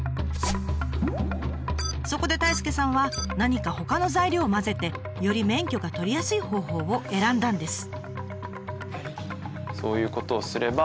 そこで太亮さんは何かほかの材料を混ぜてより免許が取りやすい方法を選んだんです。